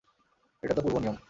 এটা তো পূর্ব নিয়ম।